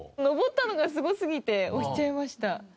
登ったのがすごすぎて押しちゃいました。